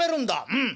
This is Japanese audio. うん。